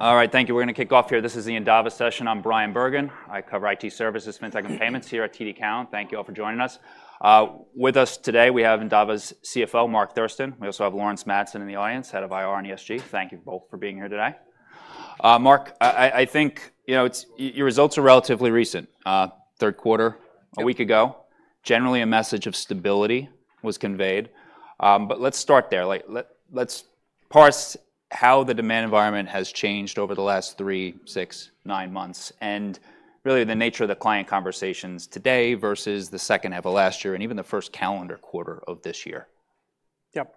All right, thank you. We're gonna kick off here. This is the Endava session. I'm Bryan Bergen. I cover IT services, fintech, and payments here at TD Cowen. Thank you all for joining us. With us today, we have Endava's CFO, Mark Thurston. We also have Laurence Madsen in the audience, head of IR and ESG. Thank you both for being here today. Mark, I think, you know, it's your results are relatively recent, third quarter- Yep a week ago. Generally, a message of stability was conveyed. But let's start there. Let's parse how the demand environment has changed over the last three, six, nine months, and really the nature of the client conversations today versus the second half of last year and even the first calendar quarter of this year. Yep.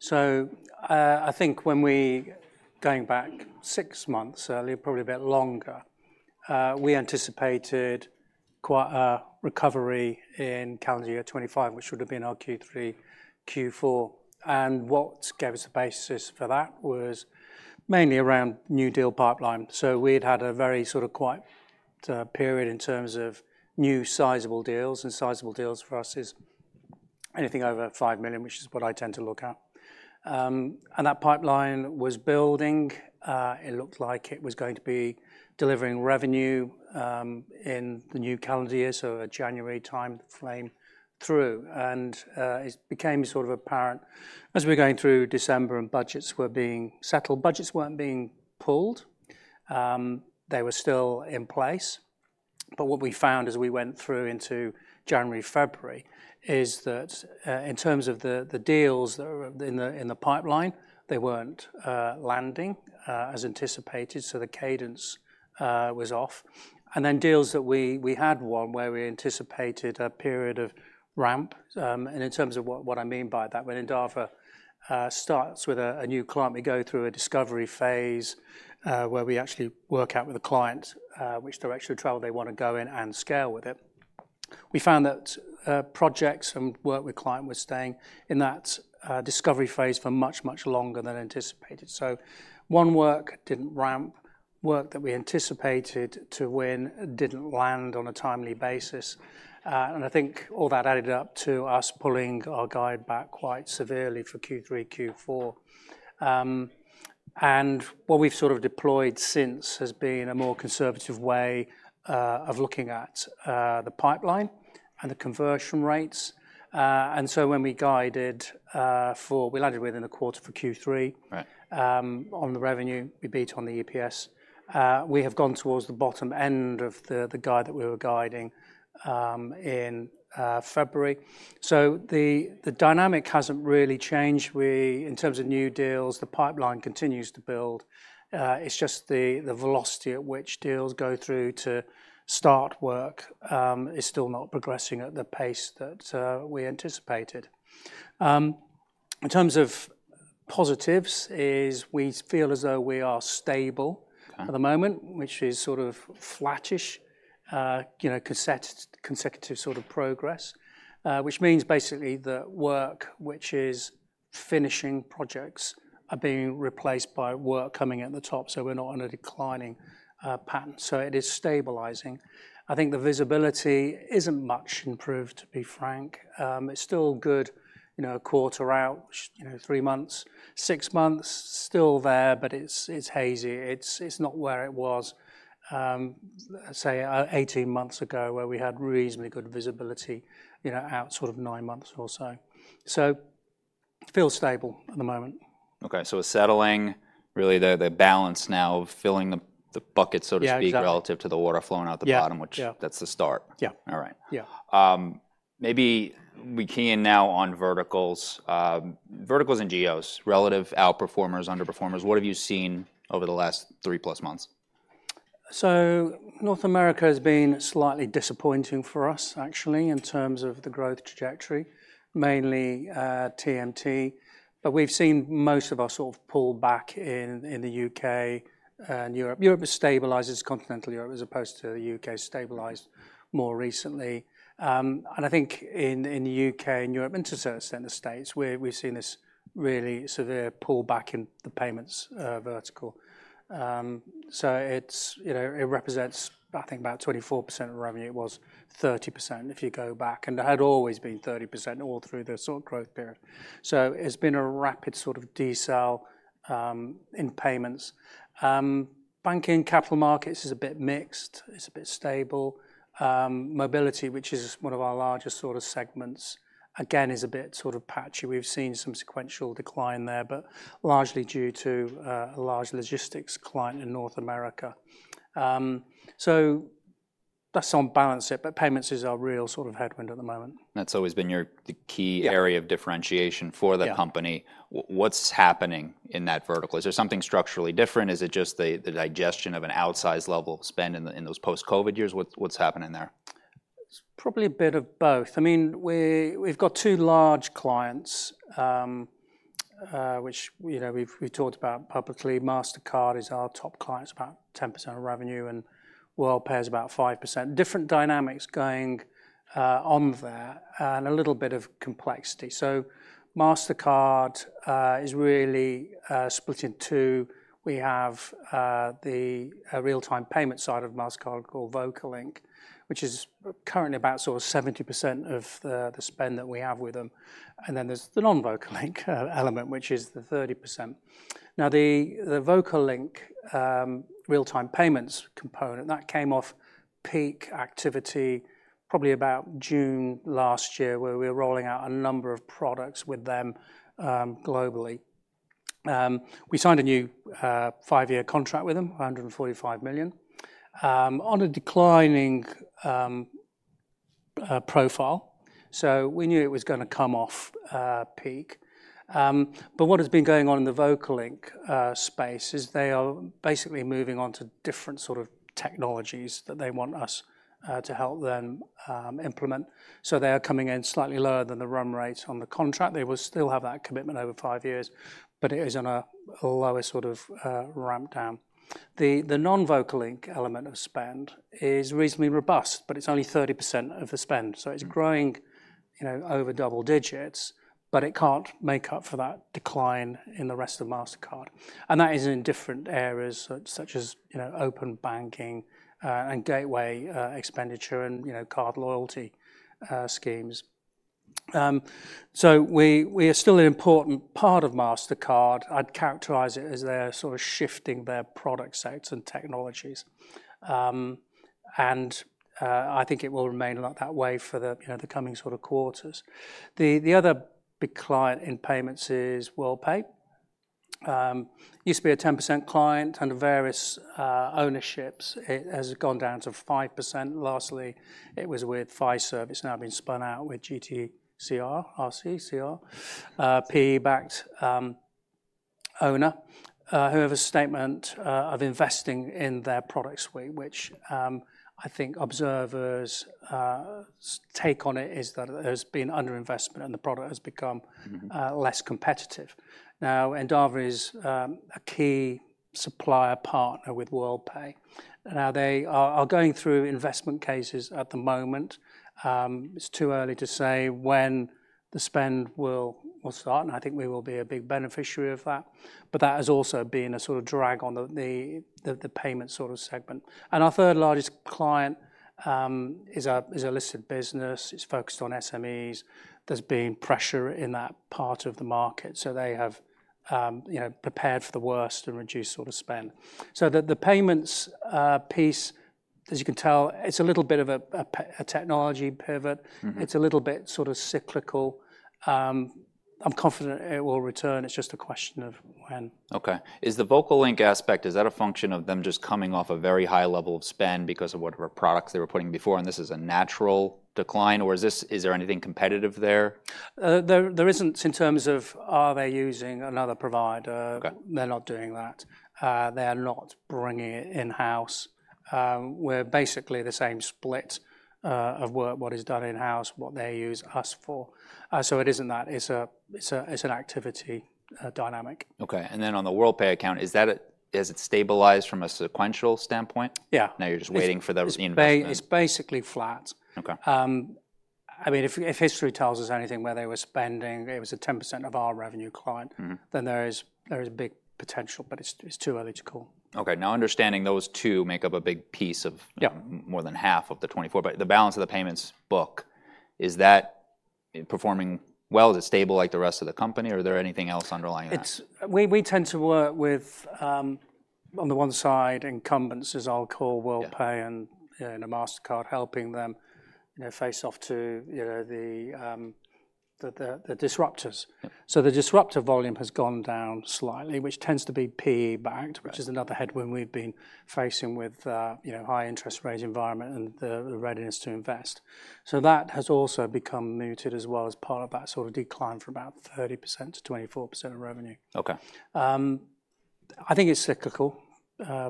So, I think, going back six months earlier, probably a bit longer, we anticipated quite a recovery in calendar year 2025, which would have been our Q3, Q4. And what gave us a basis for that was mainly around new deal pipeline. So we'd had a very sort of quiet period in terms of new sizable deals, and sizable deals for us is anything over $5 million, which is what I tend to look at. And that pipeline was building. It looked like it was going to be delivering revenue in the new calendar year, so a January timeframe through. And, it became sort of apparent as we were going through December and budgets were being settled. Budgets weren't being pulled, they were still in place. But what we found as we went through into January, February, is that in terms of the deals that were in the pipeline, they weren't landing as anticipated, so the cadence was off. And then deals that we had won, where we anticipated a period of ramp... And in terms of what I mean by that, when Endava starts with a new client, we go through a discovery phase, where we actually work out with a client which direction of travel they want to go in and scale with it. We found that projects and work with client were staying in that discovery phase for much, much longer than anticipated. So one work didn't ramp, work that we anticipated to win didn't land on a timely basis. And I think all that added up to us pulling our guide back quite severely for Q3, Q4. And what we've sort of deployed since has been a more conservative way of looking at the pipeline and the conversion rates. And so when we guided, we landed within a quarter for Q3. Right... on the revenue, we beat on the EPS. We have gone towards the bottom end of the guide that we were guiding in February. So the dynamic hasn't really changed. We in terms of new deals, the pipeline continues to build. It's just the velocity at which deals go through to start work is still not progressing at the pace that we anticipated. In terms of positives is we feel as though we are stable- Okay... at the moment, which is sort of flattish, you know, consecutive sort of progress. Which means basically that work which is finishing projects are being replaced by work coming in at the top, so we're not on a declining, pattern. So it is stabilizing. I think the visibility isn't much improved, to be frank. It's still good, you know, a quarter out, you know, 3 months. 6 months, still there, but it's, it's hazy. It's, it's not where it was, say, 18 months ago, where we had reasonably good visibility, you know, out sort of 9 months or so. So feels stable at the moment. Okay, so it's settling, really the balance now of filling the bucket, so to speak. Yeah, exactly... relative to the water flowing out the bottom- Yeah, yeah... which, that's the start. Yeah. All right. Yeah. Maybe we key in now on verticals. Verticals and geos, relative outperformers, underperformers. What have you seen over the last three-plus months? So North America has been slightly disappointing for us, actually, in terms of the growth trajectory, mainly, TMT. But we've seen most of our sort of pull back in the UK and Europe. Europe has stabilized, Continental Europe, as opposed to the UK, stabilized more recently. And I think in the UK and Europe, and to certain extent, the States, we've seen this really severe pull back in the payments vertical. So it's, you know, it represents, I think about 24% of revenue. It was 30% if you go back, and it had always been 30% all through the sort of growth period. So it's been a rapid sort of decel in payments. Banking, capital markets is a bit mixed, it's a bit stable. Mobility, which is one of our largest sort of segments, again, is a bit sort of patchy. We've seen some sequential decline there, but largely due to a large logistics client in North America. So that's on balance it, but payments is our real sort of headwind at the moment. That's always been the key. Yeah... area of differentiation for the company. Yeah. What's happening in that vertical? Is there something structurally different? Is it just the digestion of an outsized level of spend in those post-COVID years? What's happening there? It's probably a bit of both. I mean, we've got two large clients, which, you know, we've talked about publicly. Mastercard is our top client, it's about 10% of revenue, and Worldpay is about 5%. Different dynamics going on there, and a little bit of complexity. So Mastercard is really split in two. We have the real-time payment side of Mastercard called Vocalink, which is currently about sort of 70% of the spend that we have with them. And then there's the non-Vocalink element, which is the 30%. Now, the Vocalink real-time payments component, that came off peak activity probably about June last year, where we were rolling out a number of products with them, globally.... We signed a new 5-year contract with them, $145 million, on a declining profile. So we knew it was gonna come off peak. But what has been going on in the Vocalink space is they are basically moving on to different sort of technologies that they want us to help them implement. So they are coming in slightly lower than the run rate on the contract. They will still have that commitment over 5 years, but it is on a lower sort of ramp down. The non-Vocalink element of spend is reasonably robust, but it's only 30% of the spend. So it's growing, you know, over double digits, but it can't make up for that decline in the rest of Mastercard, and that is in different areas, such as, you know, open banking, and gateway expenditure, and, you know, card loyalty schemes. So we are still an important part of Mastercard. I'd characterize it as they're sort of shifting their product sets and technologies. And I think it will remain like that way for the, you know, the coming sort of quarters. The other big client in payments is Worldpay. Used to be a 10% client under various ownerships. It has gone down to 5%. Lastly, it was with Fiserv. It's now been spun out with GTCR, PE-backed owner, who have a statement of investing in their product suite, which, I think observers take on it is that there's been underinvestment and the product has become- Mm-hmm... less competitive. Now, Endava is a key supplier partner with Worldpay, and now they are going through investment cases at the moment. It's too early to say when the spend will start, and I think we will be a big beneficiary of that, but that has also been a sort of drag on the payment sort of segment. And our third-largest client is a listed business. It's focused on SMEs. There's been pressure in that part of the market, so they have, you know, prepared for the worst and reduced sort of spend. So the payments piece, as you can tell, it's a little bit of a technology pivot. Mm-hmm. It's a little bit sort of cyclical. I'm confident it will return. It's just a question of when. Okay. Is the Vocalink aspect, is that a function of them just coming off a very high level of spend because of whatever products they were putting before, and this is a natural decline, or is this- is there anything competitive there? There isn't in terms of are they using another provider? Okay. They're not doing that. They are not bringing it in-house. We're basically the same split of work, what is done in-house, what they use us for. So it isn't that. It's an activity dynamic. Okay. And then on the Worldpay account, is that it... Has it stabilized from a sequential standpoint? Yeah. Now, you're just waiting for those investment- It's basically flat. Okay. I mean, if history tells us anything, where they were spending, it was a 10% of our revenue client- Mm-hmm... then there is a big potential, but it's too early to call. Okay. Now, understanding those two make up a big piece of- Yeah... more than half of the 24, but the balance of the payments book, is that performing well? Is it stable like the rest of the company, or are there anything else underlying that? We, we tend to work with, on the one side, incumbents, as I'll call Worldpay- Yeah... and Mastercard helping them, you know, face off to, you know, the disruptors. Yeah. The disruptor volume has gone down slightly, which tends to be PE-backed- Right... which is another headwind we've been facing with, you know, high interest rate environment and the readiness to invest. So that has also become muted as well as part of that sort of decline from about 30% to 24% of revenue. Okay. I think it's cyclical.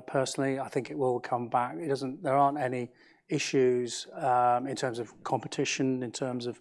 Personally, I think it will come back. There aren't any issues in terms of competition, in terms of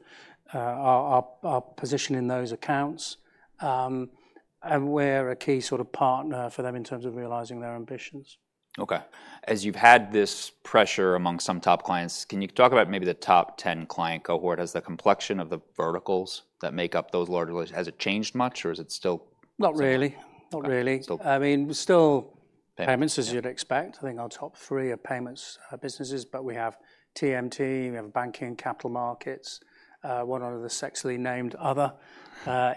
our position in those accounts. And we're a key sort of partner for them in terms of realizing their ambitions. Okay. As you've had this pressure among some top clients, can you talk about maybe the top 10 client cohort? Has the complexion of the verticals that make up those large, has it changed much, or is it still- Not really. Okay. Not really. Still- I mean, still payments, as you'd expect. I think our top three are payments, businesses, but we have TMT, we have banking and capital markets, one of the sectors we named other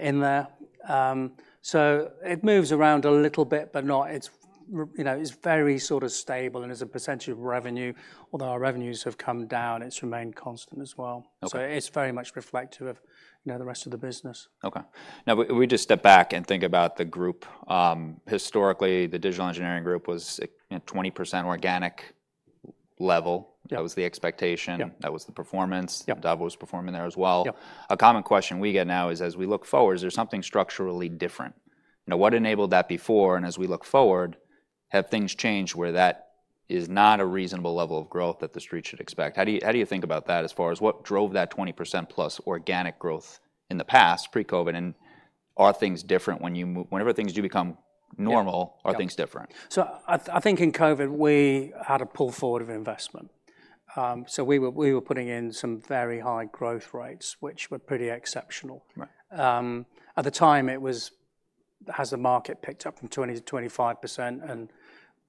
in there. So it moves around a little bit, but not. It's you know, it's very sort of stable and as a percentage of revenue, although our revenues have come down, it's remained constant as well. Okay. It's very much reflective of, you know, the rest of the business. Okay. Now, we just step back and think about the group. Historically, the digital engineering group was 20% organic level. Yeah. That was the expectation. Yeah. That was the performance. Yeah. Endava was performing there as well. Yeah. A common question we get now is, as we look forward, is there something structurally different? Now, what enabled that before, and as we look forward, have things changed where that is not a reasonable level of growth that the street should expect? How do you, how do you think about that as far as what drove that 20%+ organic growth in the past, pre-COVID, and are things different when you—whenever things do become normal- Yeah... are things different? So I think in COVID, we had a pull forward of investment. So we were putting in some very high growth rates, which were pretty exceptional. Right. At the time, it was, has the market picked up from 20%-25%? And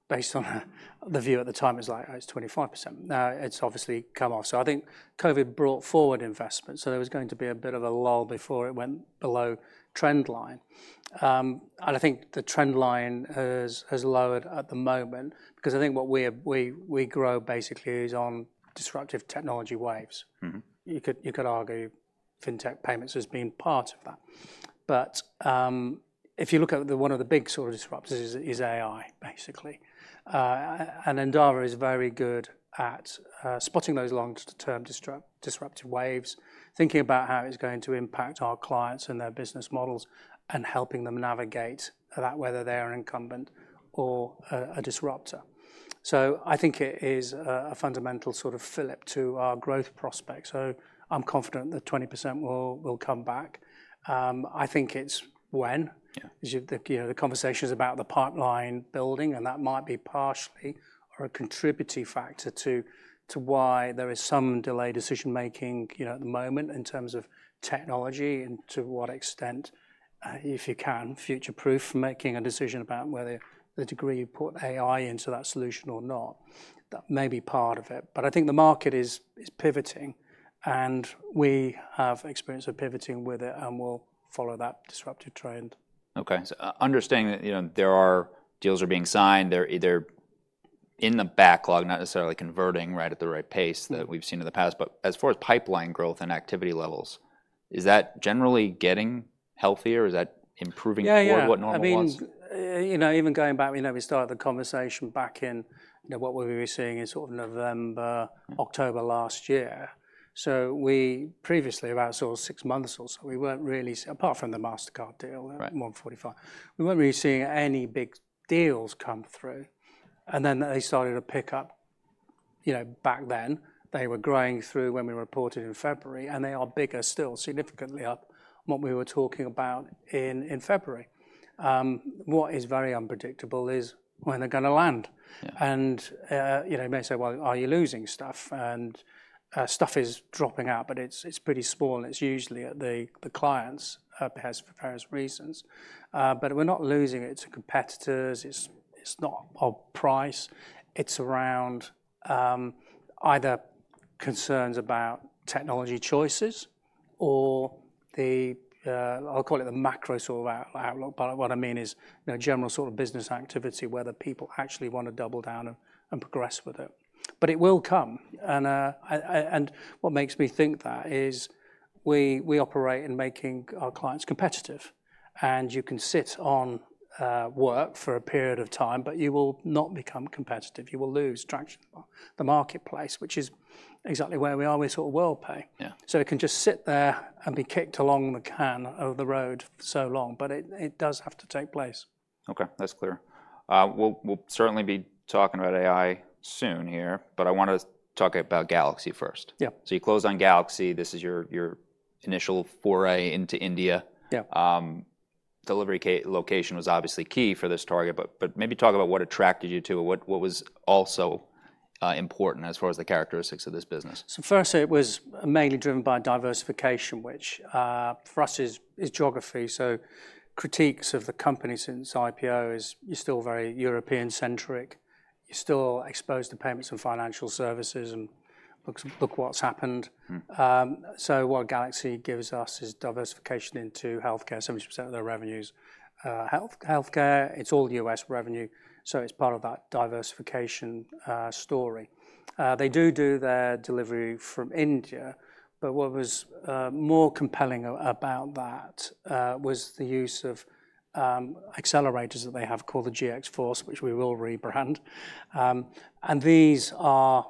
based on the view at the time, it's like, "Oh, it's 25%." Now, it's obviously come off. So I think COVID brought forward investment, so there was going to be a bit of a lull before it went below trend line. And I think the trend line has lowered at the moment because I think what we grow basically is on disruptive technology waves. Mm-hmm. You could, you could argue fintech payments as being part of that. But if you look at the, one of the big sort of disruptors is, is AI, basically. And Endava is very good at spotting those long-term disruptive waves, thinking about how it's going to impact our clients and their business models, and helping them navigate that, whether they're an incumbent or a, a disruptor. So I think it is a, a fundamental sort of fillip to our growth prospects. So I'm confident that 20% will, will come back. I think it's when- Yeah. As you know, the conversation's about the pipeline building, and that might be partially or a contributing factor to why there is some delayed decision-making, you know, at the moment in terms of technology and to what extent if you can future-proof making a decision about whether the degree you put AI into that solution or not. That may be part of it, but I think the market is pivoting, and we have experience of pivoting with it, and we'll follow that disruptive trend. Okay. So understanding that, you know, there are deals are being signed, they're either in the backlog, not necessarily converting right at the right pace- Mm. that we've seen in the past, but as far as pipeline growth and activity levels, is that generally getting healthier? Is that improving? Yeah, yeah... toward what normal was? I mean, you know, even going back, we know we started the conversation back in, you know, what were we seeing in sort of November, October last year. So we previously, about sort of six months or so, we weren't really... Apart from the Mastercard deal- Right... 145, we weren't really seeing any big deals come through, and then they started to pick up, you know, back then. They were growing through when we reported in February, and they are bigger still, significantly up from what we were talking about in February. What is very unpredictable is when they're going to land. Yeah. You know, you may say, "Well, are you losing stuff?" And stuff is dropping out, but it's pretty small, and it's usually at the clients' for various reasons. But we're not losing it to competitors. It's not of price. It's around either concerns about technology choices or the, I'll call it the macro sort of outlook, but what I mean is, you know, general sort of business activity, whether people actually want to double down and progress with it. But it will come, and what makes me think that is we operate in making our clients competitive, and you can sit on work for a period of time, but you will not become competitive. You will lose traction with the marketplace, which is exactly where we are with sort of Worldpay. Yeah. So it can just sit there and be kicked down the road for so long, but it does have to take place. Okay, that's clear. We'll certainly be talking about AI soon here, but I want to talk about GalaxE first. Yeah. So you closed on GalaxE.Solutions. This is your initial foray into India. Yeah. Delivery location was obviously key for this target, but maybe talk about what attracted you to it. What was also important as far as the characteristics of this business? So firstly, it was mainly driven by diversification, which, for us is geography. So critiques of the company since IPO is you're still very European-centric, you're still exposed to payments and financial services, and look, look what's happened. Mm. So what GalaxE gives us is diversification into healthcare, 70% of their revenue is healthcare. It's all U.S. revenue, so it's part of that diversification story. They do their delivery from India, but what was more compelling about that was the use of accelerators that they have called the GxFource, which we will rebrand. And these are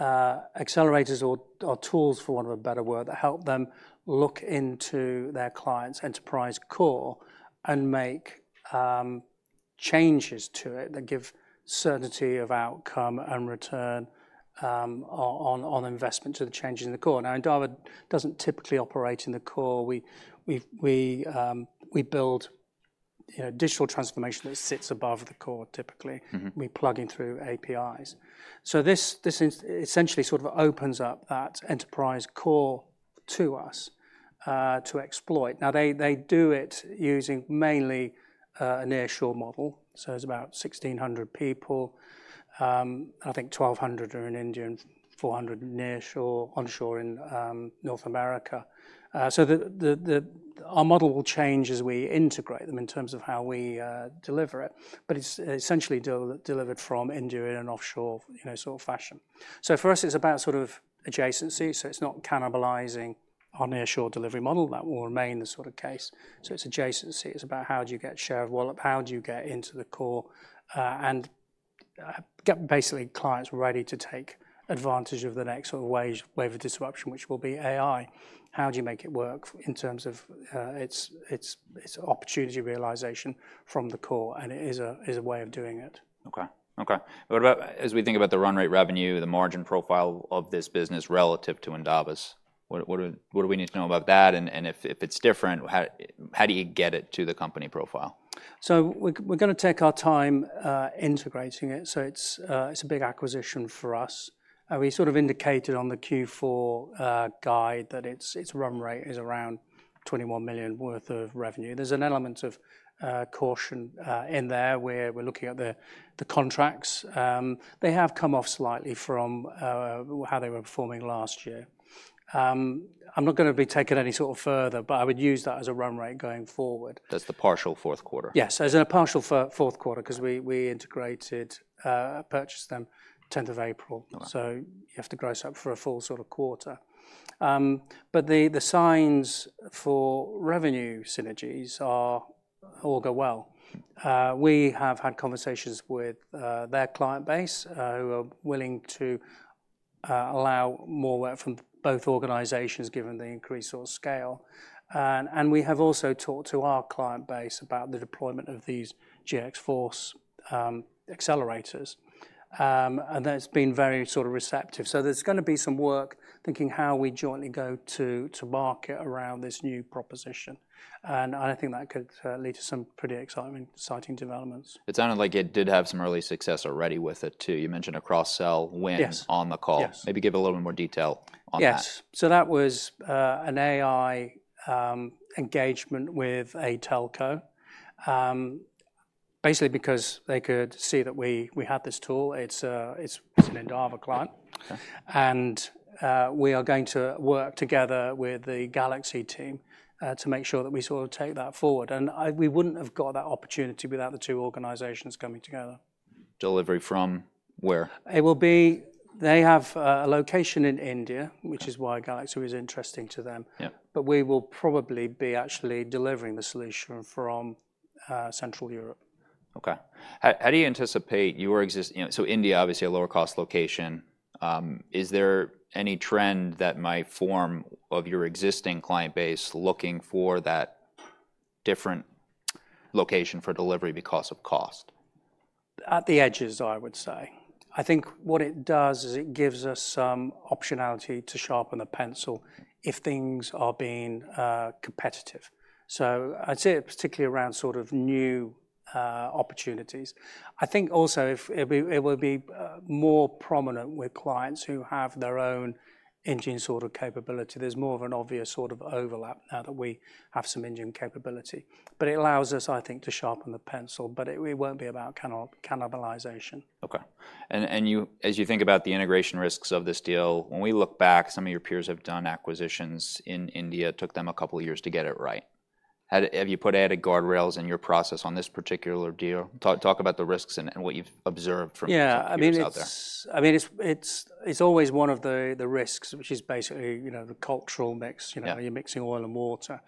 accelerators or tools, for want of a better word, that help them look into their client's enterprise core and make changes to it, that give certainty of outcome and return on investment to the changes in the core. Now, Endava doesn't typically operate in the core. We build, you know, digital transformation that sits above the core, typically. Mm-hmm. We plug in through APIs. So this essentially sort of opens up that enterprise core to us to exploit. Now, they do it using mainly a nearshore model, so it's about 1,600 people. I think 1,200 are in India and 400 nearshore, onshore in North America. So our model will change as we integrate them in terms of how we deliver it, but it's essentially delivered from India in an offshore, you know, sort of fashion. So for us, it's about sort of adjacency, so it's not cannibalizing our nearshore delivery model. That will remain the sort of case. So it's adjacency. It's about how do you get share of wallet, how do you get into the core, and get basically clients ready to take advantage of the next sort of wave of disruption, which will be AI. How do you make it work in terms of its opportunity realization from the core? And it is a way of doing it. Okay. Okay, what about... As we think about the run rate revenue, the margin profile of this business relative to Endava's, what do we need to know about that? And if it's different, how do you get it to the company profile? So we're gonna take our time integrating it, so it's a big acquisition for us. We sort of indicated on the Q4 guide that its run rate is around $21 million worth of revenue. There's an element of caution in there, where we're looking at the contracts. They have come off slightly from how they were performing last year. I'm not gonna be taking it any sort of further, but I would use that as a run rate going forward. That's the partial fourth quarter? Yes, so it's in a fourth quarter. Yeah... 'cause we, we integrated, purchased them tenth of April. Right. So you have to gross up for a full sort of quarter. But the signs for revenue synergies are all going well. We have had conversations with their client base who are willing to allow more work from both organizations given the increased scale. And we have also talked to our client base about the deployment of these GxFource accelerators. And that's been very sort of receptive. So there's gonna be some work thinking how we jointly go to market around this new proposition, and I think that could lead to some pretty exciting developments. It sounded like it did have some early success already with it, too. You mentioned a cross-sell win- Yes on the call. Yes. Maybe give a little more detail on that. Yes. So that was an AI engagement with a telco. Basically because they could see that we had this tool, it's an Endava client. Okay. We are going to work together with the GalaxE team to make sure that we sort of take that forward. We wouldn't have got that opportunity without the two organizations coming together. Delivery from where? It will be... They have a location in India- Okay... which is why GalaxE was interesting to them. Yeah. We will probably be actually delivering the solution from Central Europe. Okay. How do you anticipate your existing—you know, so India, obviously a lower cost location. Is there any trend that might from your existing client base looking for that different location for delivery because of cost? At the edges, I would say. I think what it does is it gives us some optionality to sharpen the pencil if things are being competitive. So I'd say particularly around sort of new opportunities. I think also it will be more prominent with clients who have their own engine sort of capability. There's more of an obvious sort of overlap now that we have some engine capability, but it allows us, I think, to sharpen the pencil, but we won't be about cannibalization. Okay. As you think about the integration risks of this deal, when we look back, some of your peers have done acquisitions in India, took them a couple of years to get it right. Have you put added guardrails in your process on this particular deal? Talk about the risks and what you've observed from- Yeah... peers out there. I mean, it's always one of the risks, which is basically, you know, the cultural mix. Yeah. You know, you're mixing oil and water.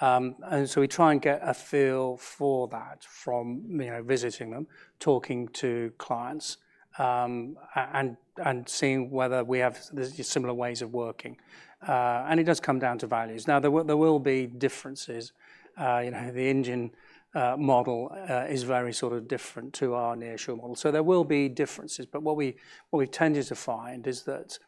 And so we try and get a feel for that from, you know, visiting them, talking to clients, and seeing whether we have the similar ways of working. And it does come down to values. Now, there will, there will be differences. You know, the engine model is very sort of different to our nearshore model. So there will be differences. But what we, what we tended to find is that,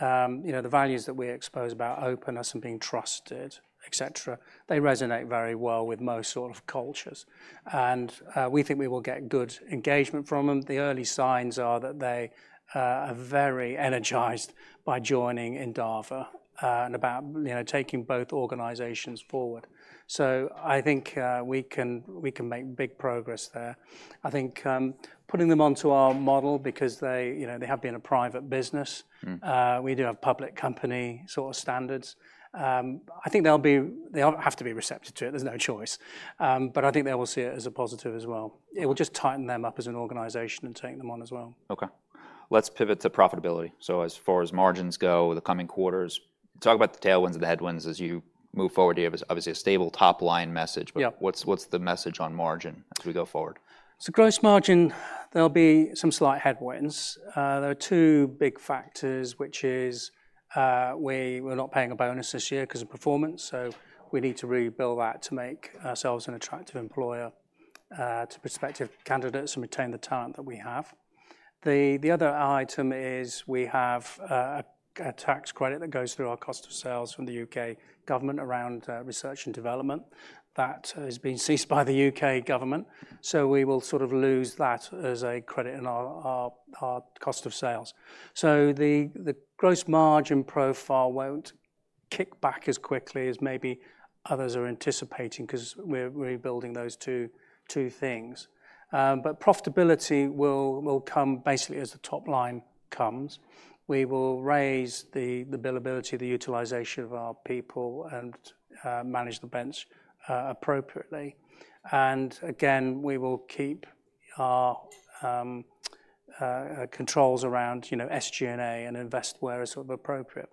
you know, the values that we expose about openness and being trusted, et cetera, they resonate very well with most sort of cultures. And we think we will get good engagement from them. The early signs are that they are very energized by joining Endava and about, you know, taking both organizations forward. So I think, we can, we can make big progress there. I think, putting them onto our model because they, you know, they have been a private business. Mm. We do have public company sort of standards. I think they have to be receptive to it, there's no choice. But I think they will see it as a positive as well. It will just tighten them up as an organization and take them on as well. Okay. Let's pivot to profitability. So as far as margins go, the coming quarters, talk about the tailwinds and the headwinds as you move forward. You have obviously a stable top-line message- Yeah... but what's the message on margin as we go forward? So gross margin, there'll be some slight headwinds. There are two big factors, which is, we're not paying a bonus this year because of performance, so we need to rebuild that to make ourselves an attractive employer, to prospective candidates and retain the talent that we have. The other item is we have a tax credit that goes through our cost of sales from the U.K. government around research and development that has been ceased by the U.K. government. So we will sort of lose that as a credit in our cost of sales. So the gross margin profile won't kick back as quickly as maybe others are anticipating, 'cause we're building those two things. But profitability will come basically as the top line comes. We will raise the billability, the utilization of our people, and manage the bench appropriately. And again, we will keep our controls around, you know, SG&A and invest where is sort of appropriate.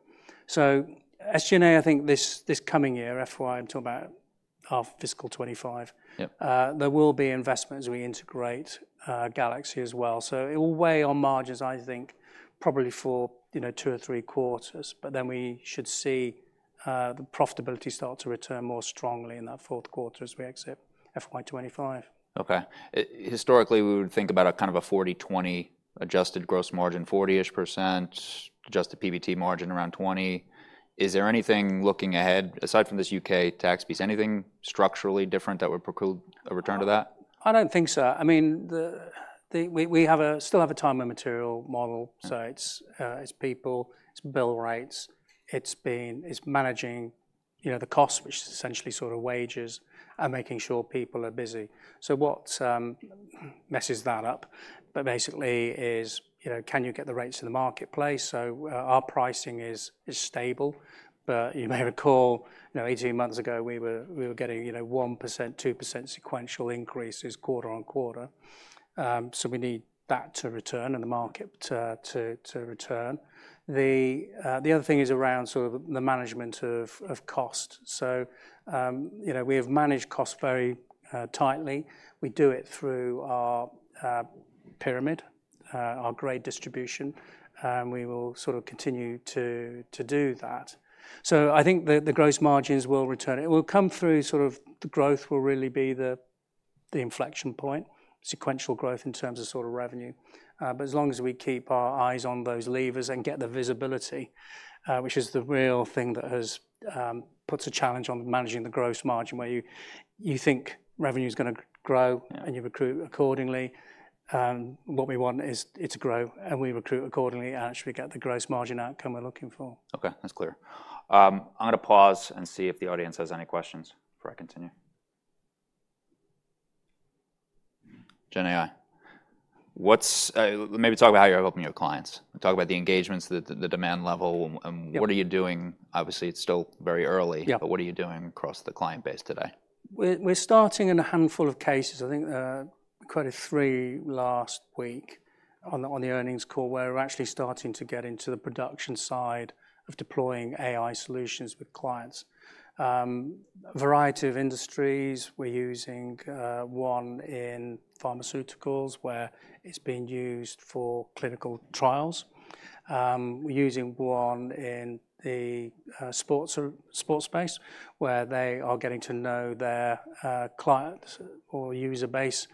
So SG&A, I think this coming year, FY, I'm talking about half fiscal 25- Yep... there will be investment as we integrate GalaxE as well. So it will weigh on margins, I think, probably for, you know, two or three quarters, but then we should see the profitability start to return more strongly in that fourth quarter as we exit FY 2025. Okay. Historically, we would think about a kind of a 40/20 adjusted gross margin, 40-ish%, adjusted PBT margin around 20. Is there anything looking ahead, aside from this UK tax piece, anything structurally different that would preclude a return to that? I don't think so. I mean, the—we still have a time and material model, so it's people, it's bill rates. It's managing, you know, the cost, which is essentially sort of wages, and making sure people are busy. So what messes that up, but basically is, you know, can you get the rates in the marketplace? So our pricing is stable, but you may recall, you know, 18 months ago, we were getting, you know, 1%, 2% sequential increases quarter-over-quarter. So we need that to return and the market to return. The other thing is around sort of the management of cost. So you know, we have managed costs very tightly. We do it through our pyramid-... Our grade distribution, and we will sort of continue to do that. So I think the gross margins will return. It will come through sort of the growth will really be the inflection point, sequential growth in terms of sort of revenue. But as long as we keep our eyes on those levers and get the visibility, which is the real thing that puts a challenge on managing the gross margin, where you think revenue's gonna grow- Yeah. and you recruit accordingly. What we want is it to grow, and we recruit accordingly, and actually get the gross margin outcome we're looking for. Okay, that's clear. I'm gonna pause and see if the audience has any questions before I continue. Gen AI, what's... maybe talk about how you're helping your clients. Talk about the engagements, the demand level- Yeah. and what are you doing? Obviously, it's still very early- Yeah. What are you doing across the client base today? We're starting in a handful of cases, I think, quoted three last week on the earnings call, where we're actually starting to get into the production side of deploying AI solutions with clients. A variety of industries, we're using one in pharmaceuticals, where it's being used for clinical trials. We're using one in the sports space, where they are getting to know their clients or user base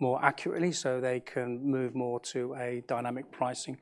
more accurately, so they can move more to a dynamic pricing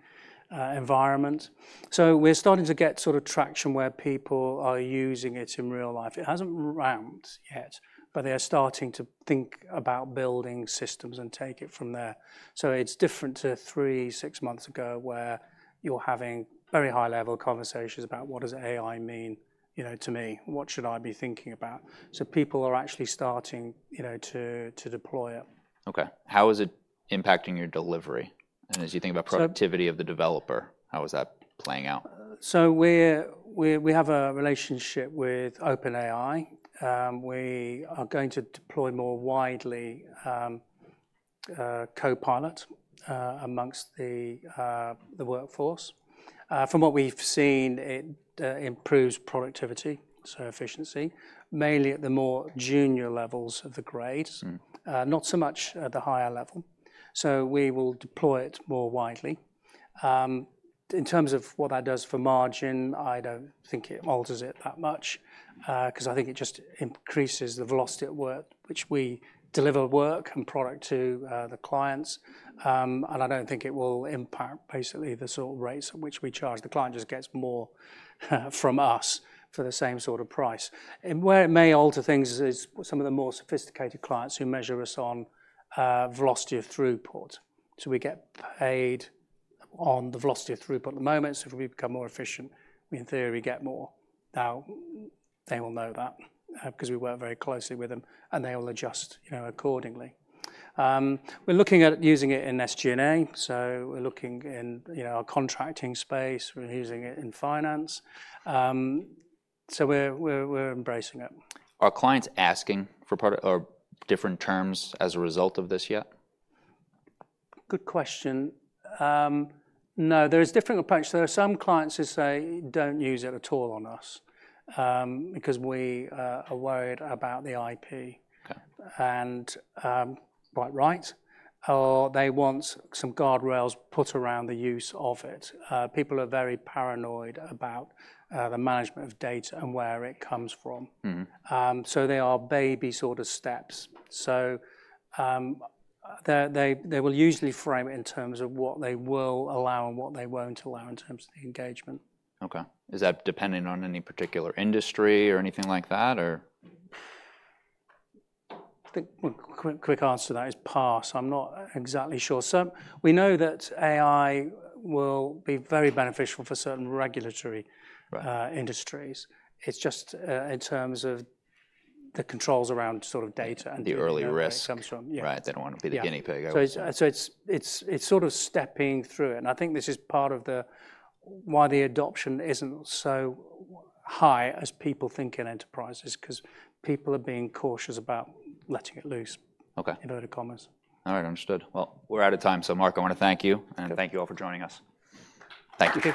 environment. So we're starting to get sort of traction where people are using it in real life. It hasn't ramped yet, but they're starting to think about building systems and take it from there. So it's different to three, six months ago, where you're having very high-level conversations about: What does AI mean, you know, to me? What should I be thinking about? So people are actually starting, you know, to deploy it. Okay, how is it impacting your delivery? So- As you think about productivity of the developer, how is that playing out? So we have a relationship with OpenAI. We are going to deploy more widely Copilot amongst the workforce. From what we've seen, it improves productivity, so efficiency, mainly at the more junior levels of the grade- Mm. Not so much at the higher level, so we will deploy it more widely. In terms of what that does for margin, I don't think it alters it that much, because I think it just increases the velocity at work, which we deliver work and product to the clients. And I don't think it will impact basically the sort of rates at which we charge. The client just gets more from us for the same sort of price. And where it may alter things is some of the more sophisticated clients who measure us on velocity of throughput, so we get paid on the velocity of throughput. At the moment, so if we become more efficient, we, in theory, get more. Now, they will know that, because we work very closely with them, and they will adjust, you know, accordingly. We're looking at using it in SG&A, so we're looking in, you know, our contracting space. We're using it in finance. So we're embracing it. Are clients asking for product or different terms as a result of this yet? Good question. No, there is different approach. There are some clients who say, "Don't use it at all on us, because we are worried about the IP. Okay. Quite right. They want some guardrails put around the use of it. People are very paranoid about the management of data and where it comes from. Mm-hmm. So they are baby sort of steps. So, they will usually frame it in terms of what they will allow and what they won't allow in terms of the engagement. Okay. Is that dependent on any particular industry or anything like that, or? I think quick, quick answer to that is pass. I'm not exactly sure. We know that AI will be very beneficial for certain regulatory- Right... industries. It's just, in terms of the controls around sort of data and- The early risk- where it comes from. Yeah. Right, they don't want to be the guinea pig. Yeah. So it's sort of stepping through it, and I think this is part of why the adoption isn't so high as people think in enterprises, 'cause people are being cautious about letting it loose- Okay... in inverted commas. All right, understood. Well, we're out of time. So, Mark, I want to thank you- Okay. Thank you all for joining us. Thank you.